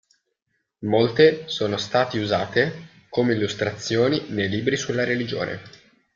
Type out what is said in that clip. Molte sono stati usate come illustrazioni nei libri sulla regione.